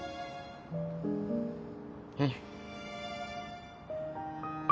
うん。